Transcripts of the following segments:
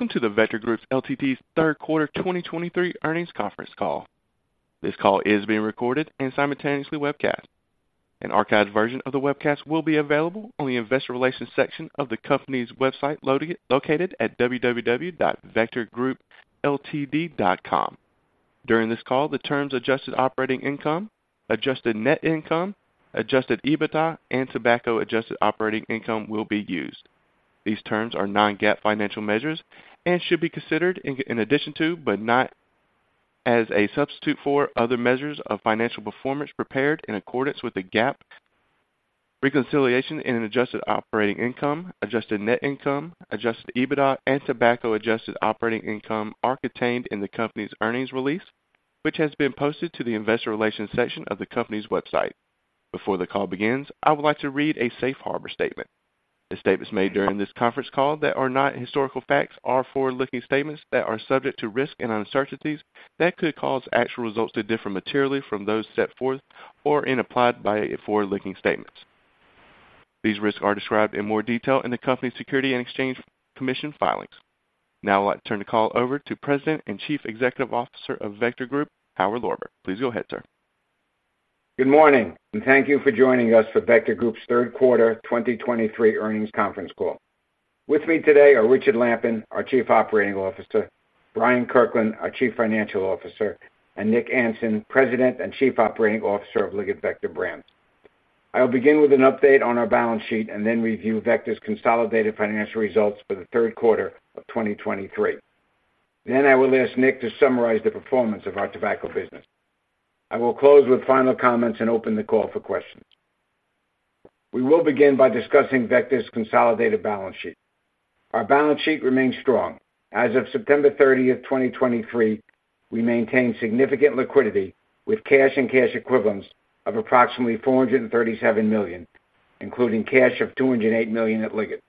Welcome to the Vector Group Ltd.'s Q3 2023 Earnings Conference Call. This call is being recorded and simultaneously webcast. An archived version of the webcast will be available on the investor relations section of the company's website located at www.vectorgroupltd.com. During this call, the terms Adjusted Operating Income, Adjusted Net Income, Adjusted EBITDA, and Tobacco Adjusted Operating Income will be used. These terms are non-GAAP financial measures and should be considered in addition to, but not as a substitute for other measures of financial performance prepared in accordance with GAAP. Reconciliations of Adjusted Operating Income, Adjusted Net Income, Adjusted EBITDA, and Tobacco Adjusted Operating Income are contained in the company's earnings release, which has been posted to the investor relations section of the company's website. Before the call begins, I would like to read a safe harbor statement. The statements made during this conference call that are not historical facts are forward-looking statements that are subject to risk and uncertainties that could cause actual results to differ materially from those set forth or implied by forward-looking statements. These risks are described in more detail in the company's Securities and Exchange Commission filings. Now, I'd like to turn the call over to President and Chief Executive Officer of Vector Group, Howard Lorber. Please go ahead, sir. Good morning, and thank you for joining us for Vector Group's Q3 2023 Earnings Conference Call. With me today are Richard Lampen, our Chief Operating Officer, Bryant Kirkland, our Chief Financial Officer, and Nick Anson, President and Chief Operating Officer of Liggett Vector Brands. I'll begin with an update on our balance sheet and then review Vector's consolidated financial results for the Q3 of 2023. Then I will ask Nick to summarize the performance of our tobacco business. I will close with final comments and open the call for questions. We will begin by discussing Vector's consolidated balance sheet. Our balance sheet remains strong. As of 30 September, 2023, we maintained significant liquidity, with cash and cash equivalents of approximately $437 million, including cash of $208 million at Liggett.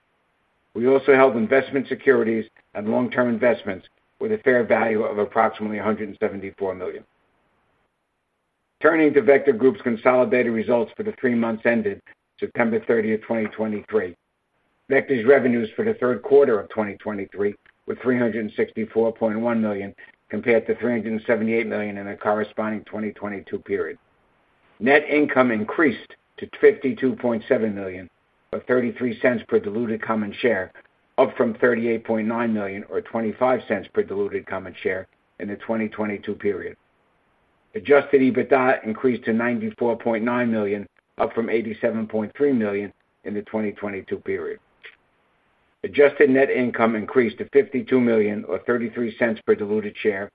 We also held investment securities and long-term investments with a fair value of approximately $174 million. Turning to Vector Group's consolidated results for the three months ended 30 September, 2023. Vector's revenues for the Q3 of 2023 were $364.1 million, compared to $378 million in the corresponding 2022 period. Net income increased to $52.7 million, or $0.33 per diluted common share, up from $38.9 million, or $0.25 per diluted common share in the 2022 period. Adjusted EBITDA increased to $94.9 million, up from $87.3 million in the 2022 period. Adjusted net income increased to $52 million, or $0.33 per diluted share,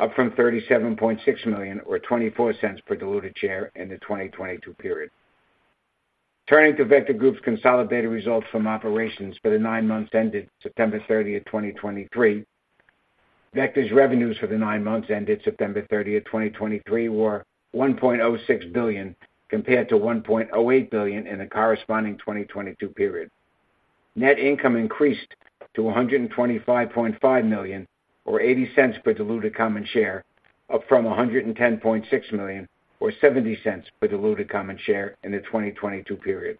up from $37.6 million, or $0.24 per diluted share in the 2022 period. Turning to Vector Group's consolidated results from operations for the nine months ended 30 September, 2023. Vector's revenues for the nine months ended 30 September, 2023, were $1.06 billion, compared to $1.08 billion in the corresponding 2022 period. Net income increased to $125.5 million, or $0.80 per diluted common share, up from $110.6 million, or $0.70 per diluted common share in the 2022 period.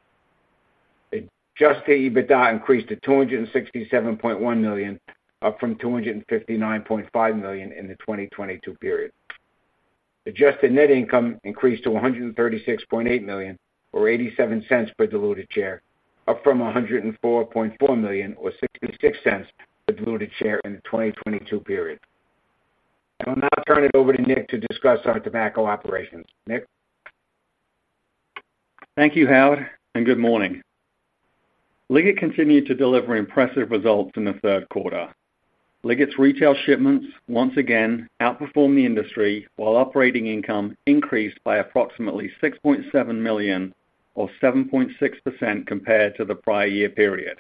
Adjusted EBITDA increased to $267.1 million, up from $259.5 million in the 2022 period. Adjusted net income increased to $136.8 million, or $0.87 per diluted share, up from $104.4 million, or $0.66 per diluted share in the 2022 period. I will now turn it over to Nick to discuss our tobacco operations. Nick? Thank you, Howard, and good morning. Liggett continued to deliver impressive results in the Q3. Liggett's retail shipments once again outperformed the industry, while operating income increased by approximately $6.7 million or 7.6% compared to the prior year period.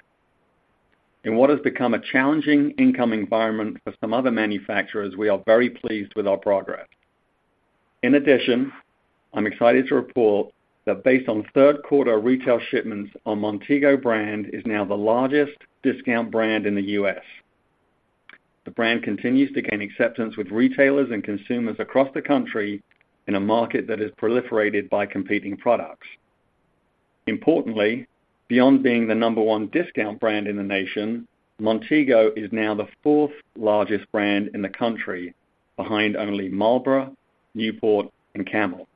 In what has become a challenging income environment for some other manufacturers, we are very pleased with our progress. In addition, I'm excited to report that based on Q3 retail shipments, our Montego brand is now the largest discount brand in the U.S. The brand continues to gain acceptance with retailers and consumers across the country in a market that is proliferated by competing products. Importantly, beyond being the number one discount brand in the nation, Montego is now the fourth largest brand in the country, behind only Marlboro, Newport, and Camel.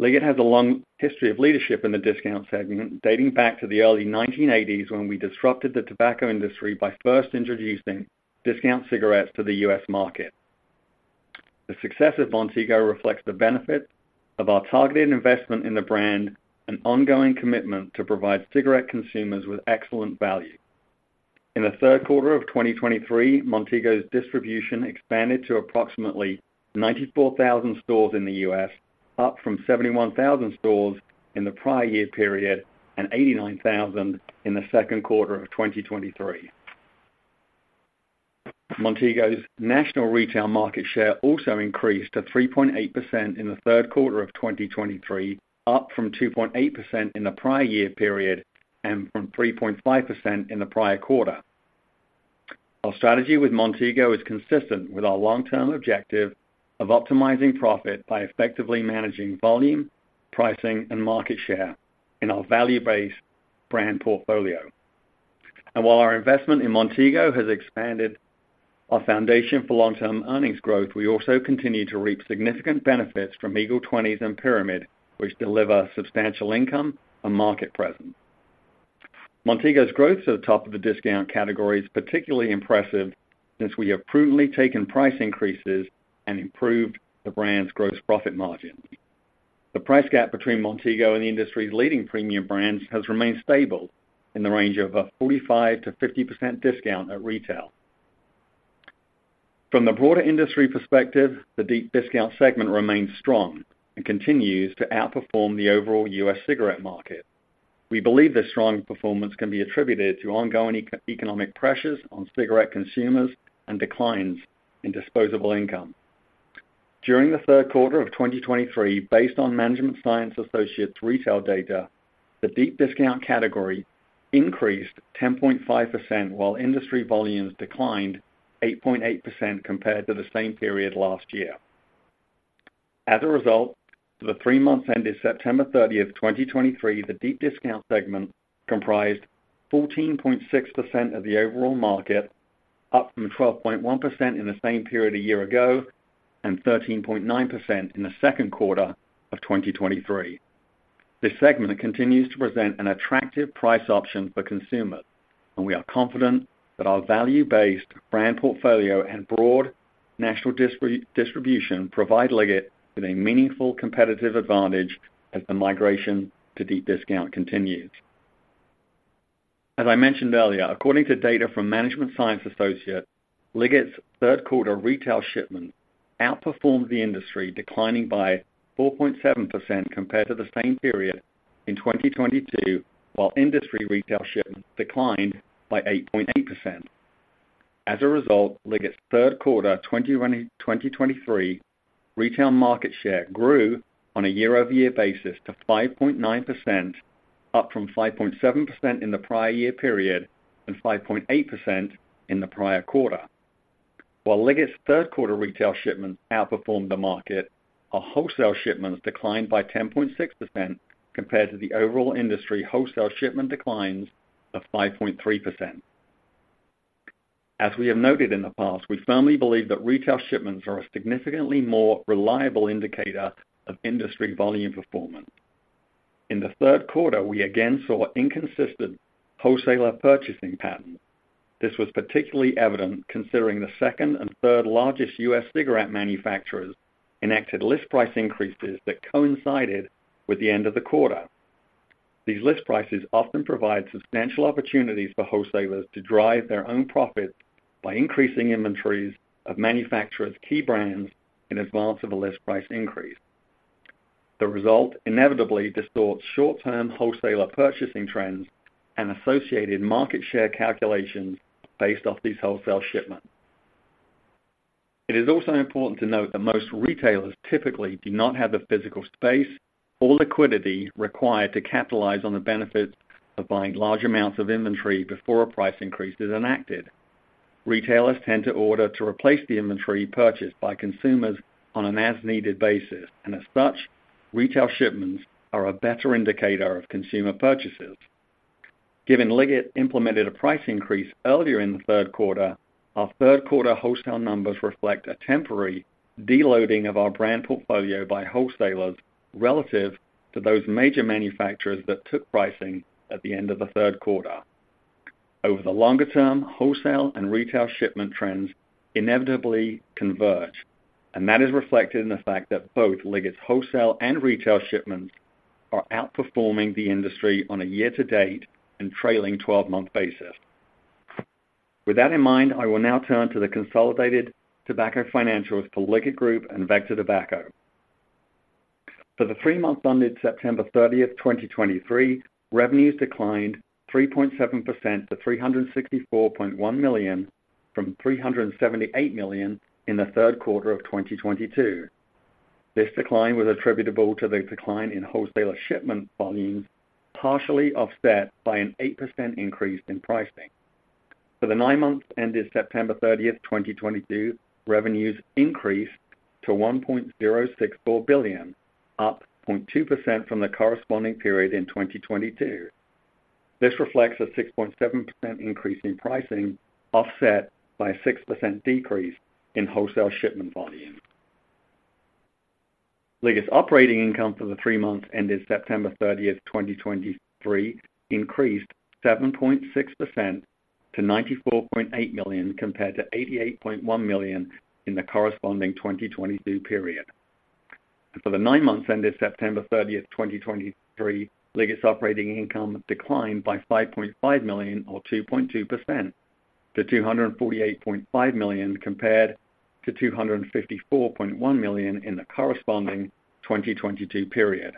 Liggett has a long history of leadership in the discount segment, dating back to the early 1980s, when we disrupted the tobacco industry by first introducing discount cigarettes to the U.S. market. The success of Montego reflects the benefit of our targeted investment in the brand and ongoing commitment to provide cigarette consumers with excellent value. In the Q3 of 2023, Montego's distribution expanded to approximately 94,000 stores in the U.S., up from 71,000 stores in the prior year period and 89,000 in the Q2 of 2023. Montego's national retail market share also increased to 3.8% in the Q3 of 2023, up from 2.8% in the prior year period and from 3.5% in the prior quarter. Our strategy with Montego is consistent with our long-term objective of optimizing profit by effectively managing volume, pricing, and market share in our value-based brand portfolio. And while our investment in Montego has expanded our foundation for long-term earnings growth, we also continue to reap significant benefits from Eagle 20's and Pyramid, which deliver substantial income and market presence. Montego's growth to the top of the discount category is particularly impressive, since we have prudently taken price increases and improved the brand's gross profit margin. The price gap between Montego and the industry's leading premium brands has remained stable in the range of a 45%-50% discount at retail. From the broader industry perspective, the deep discount segment remains strong and continues to outperform the overall U.S. cigarette market. We believe this strong performance can be attributed to ongoing economic pressures on cigarette consumers and declines in disposable income. During the Q3 of 2023, based on Management Science Associates retail data, the deep discount category increased 10.5%, while industry volumes declined 8.8% compared to the same period last year. As a result, for the three months ended 30 September, 2023, the deep discount segment comprised 14.6% of the overall market, up from 12.1% in the same period a year ago, and 13.9% in the Q2 of 2023. This segment continues to present an attractive price option for consumers, and we are confident that our value-based brand portfolio and broad national distribution provide Liggett with a meaningful competitive advantage as the migration to deep discount continues. As I mentioned earlier, according to data from Management Science Associates, Liggett's Q3 retail shipments outperformed the industry, declining by 4.7% compared to the same period in 2022, while industry retail shipments declined by 8.8%. As a result, Liggett's Q3 2023 retail market share grew on a year-over-year basis to 5.9%, up from 5.7% in the prior year period and 5.8% in the prior quarter. While Liggett's Q3 retail shipments outperformed the market, our wholesale shipments declined by 10.6% compared to the overall industry wholesale shipment declines of 5.3%. As we have noted in the past, we firmly believe that retail shipments are a significantly more reliable indicator of industry volume performance. In the Q3, we again saw inconsistent wholesaler purchasing patterns. This was particularly evident considering the second and third largest U.S. cigarette manufacturers enacted list price increases that coincided with the end of the quarter. These list prices often provide substantial opportunities for wholesalers to drive their own profits by increasing inventories of manufacturers' key brands in advance of a list price increase. The result inevitably distorts short-term wholesaler purchasing trends and associated market share calculations based off these wholesale shipments. It is also important to note that most retailers typically do not have the physical space or liquidity required to capitalize on the benefits of buying large amounts of inventory before a price increase is enacted. Retailers tend to order to replace the inventory purchased by consumers on an as-needed basis, and as such, retail shipments are a better indicator of consumer purchases. Given Liggett implemented a price increase earlier in the Q3, our Q3 wholesale numbers reflect a temporary deloading of our brand portfolio by wholesalers relative to those major manufacturers that took pricing at the end of the Q3. Over the longer term, wholesale and retail shipment trends inevitably converge, and that is reflected in the fact that both Liggett's wholesale and retail shipments are outperforming the industry on a year to date and trailing twelve-month basis. With that in mind, I will now turn to the consolidated tobacco financials for Liggett Group and Vector Tobacco. For the three months ended 30 September 2023, revenues declined 3.7% to $364.1 million from $378 million in the Q3 of 2022. This decline was attributable to the decline in wholesaler shipment volumes, partially offset by an 8% increase in pricing. For the nine months ended 30 September, 2022, revenues increased to $1.064 billion, up 0.2% from the corresponding period in 2022. This reflects a 6.7% increase in pricing, offset by a 6% decrease in wholesale shipment volume. Liggett's operating income for the three months ended 30 September, 2023, increased 7.6% to $94.8 million, compared to $88.1 million in the corresponding 2022 period. For the nine months ended 30 September, 2023, Liggett's operating income declined by $5.5 million, or 2.2%, to $248.5 million, compared to $254.1 million in the corresponding 2022 period.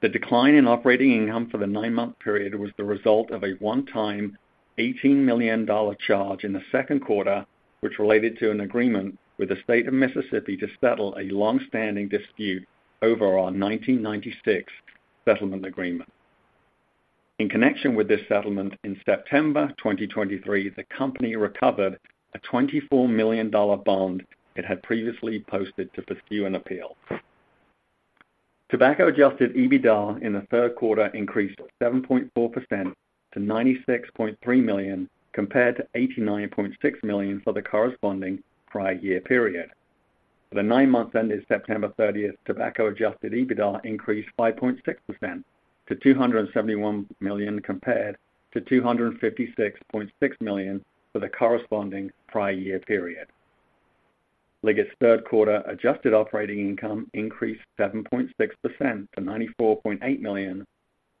The decline in operating income for the nine-month period was the result of a one-time $18 million charge in the Q2, which related to an agreement with the state of Mississippi to settle a long-standing dispute over our 1996 settlement agreement. In connection with this settlement, in September 2023, the company recovered a $24 million bond it had previously posted to pursue an appeal. Tobacco Adjusted EBITDA in the Q3 increased 7.4% to $96.3 million, compared to $89.6 million for the corresponding prior year period. For the nine months ended September 30, tobacco Adjusted EBITDA increased 5.6% to $271 million, compared to $256.6 million for the corresponding prior year period. Liggett's Q3 adjusted operating income increased 7.6% to $94.8 million,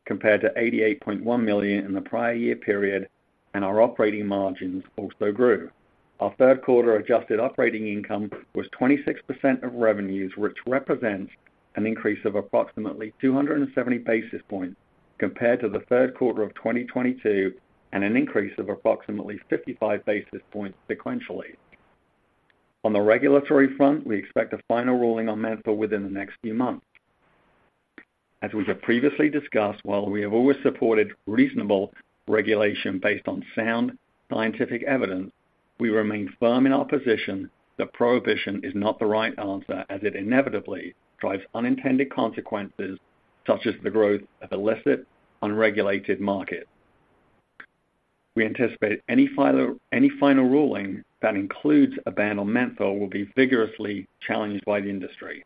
compared to $88.1 million in the prior year period, and our operating margins also grew. Our Q3 adjusted operating income was 26% of revenues, which represents an increase of approximately 270 basis points compared to the Q3 of 2022, and an increase of approximately 55 basis points sequentially. On the regulatory front, we expect a final ruling on menthol within the next few months. As we have previously discussed, while we have always supported reasonable regulation based on sound scientific evidence, we remain firm in our position that prohibition is not the right answer, as it inevitably drives unintended consequences, such as the growth of illicit, unregulated market. We anticipate any final ruling that includes a ban on menthol will be vigorously challenged by the industry.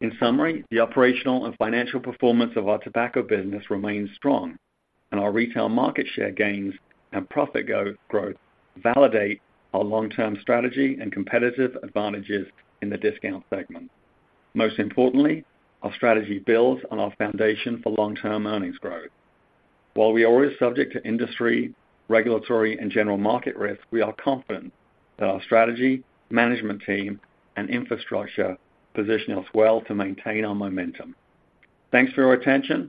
In summary, the operational and financial performance of our tobacco business remains strong, and our retail market share gains and profit growth validate our long-term strategy and competitive advantages in the discount segment. Most importantly, our strategy builds on our foundation for long-term earnings growth. While we are always subject to industry, regulatory, and general market risk, we are confident that our strategy, management team, and infrastructure position us well to maintain our momentum. Thanks for your attention,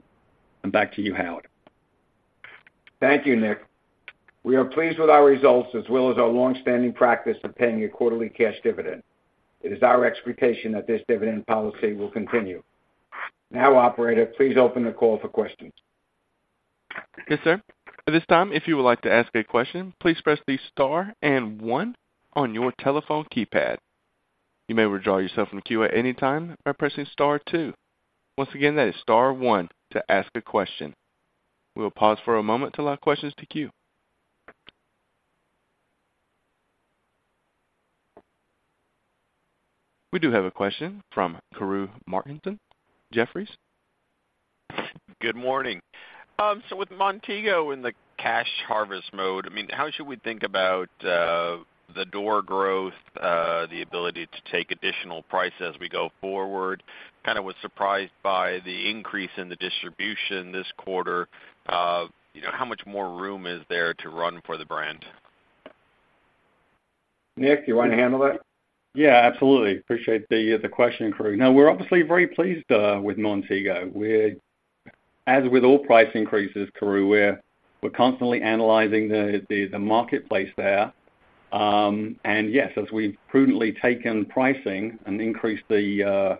and back to you, Howard. Thank you, Nick. We are pleased with our results, as well as our long-standing practice of paying a quarterly cash dividend. It is our expectation that this dividend policy will continue. Now, operator, please open the call for questions. Yes, sir. At this time, if you would like to ask a question, please press the star and one on your telephone keypad. You may withdraw yourself from the queue at any time by pressing star two. Once again, that is star one to ask a question. We will pause for a moment to allow questions to queue. We do have a question from Karru Martinson, Jefferies. Good morning. So with Montego in the cash harvest mode, I mean, how should we think about the door growth, the ability to take additional price as we go forward? Kinda was surprised by the increase in the distribution this quarter. You know, how much more room is there to run for the brand? Nick, do you want to handle that? Yeah, absolutely. Appreciate the question, Karru. Now, we're obviously very pleased with Montego. We're. As with all price increases, Karru, we're constantly analyzing the marketplace there. And yes, as we've prudently taken pricing and increased the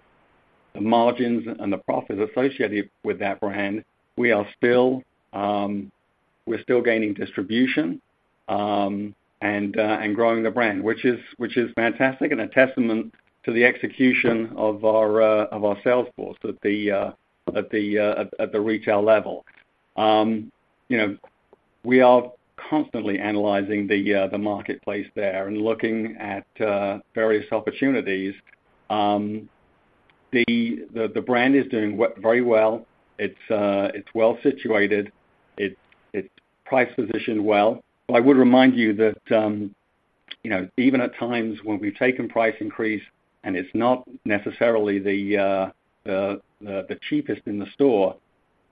margins and the profits associated with that brand, we are still, we're still gaining distribution and growing the brand, which is fantastic and a testament to the execution of our sales force at the retail level. You know, we are constantly analyzing the marketplace there and looking at various opportunities. The brand is doing what? Very well. It's well situated. It's price positioned well. But I would remind you that, you know, even at times when we've taken price increase, and it's not necessarily the cheapest in the store,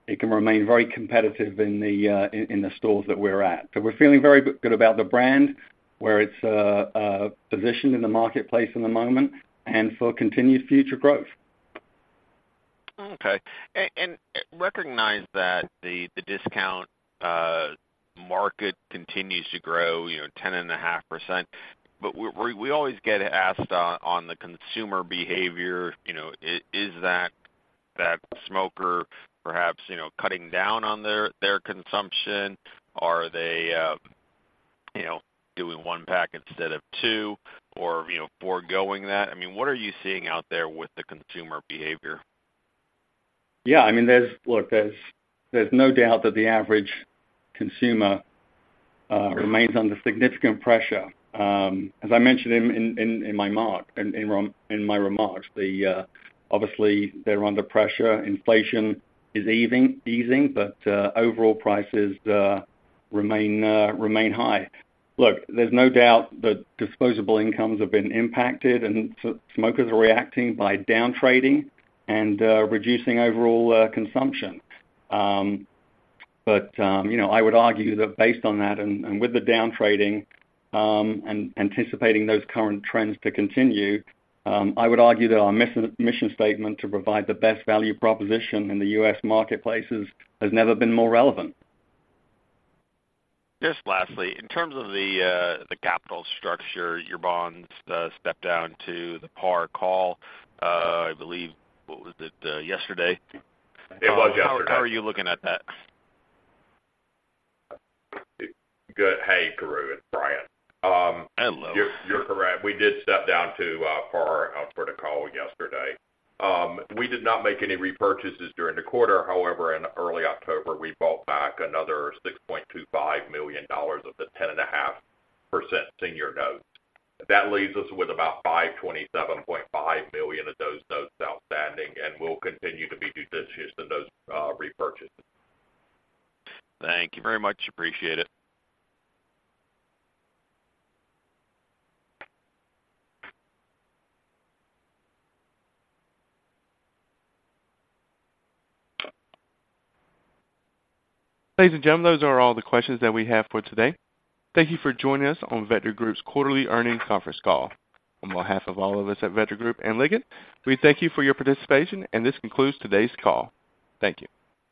it can remain very competitive in the stores that we're at. So we're feeling very good about the brand, where it's positioned in the marketplace in the moment, and for continued future growth. Okay. And recognize that the discount market continues to grow, you know, 10.5%, but we're, we always get asked on the consumer behavior, you know, is that smoker perhaps, you know, cutting down on their consumption? Are they, you know, doing one pack instead of two, or, you know, foregoing that? I mean, what are you seeing out there with the consumer behavior? Yeah, I mean, there's—Look, there's no doubt that the average consumer remains under significant pressure. As I mentioned in my remarks, obviously, they're under pressure. Inflation is easing, but overall prices remain high. Look, there's no doubt that disposable incomes have been impacted, and smokers are reacting by downtrading and reducing overall consumption. But you know, I would argue that based on that and with the downtrading and anticipating those current trends to continue, I would argue that our mission statement to provide the best value proposition in the U.S. marketplaces has never been more relevant. Just lastly, in terms of the capital structure, your bonds stepped down to the par call, I believe, what was it, yesterday? It was yesterday. How are you looking at that? Good. Hey, Karru its Bryant. Hello. You're correct. We did step down to par call yesterday. We did not make any repurchases during the quarter. However, in early October, we bought back another $6.25 million of the 10.5% senior notes. That leaves us with about $527.5 million of those notes outstanding, and we'll continue to be judicious in those repurchases. Thank you very much. Appreciate it. Ladies and gentlemen, those are all the questions that we have for today. Thank you for joining us on Vector Group's quarterly earnings conference call. On behalf of all of us at Vector Group and Liggett, we thank you for your participation, and this concludes today's call. Thank you.